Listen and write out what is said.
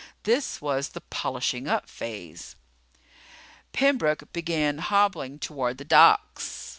This was the polishing up phase. Pembroke began hobbling toward the docks.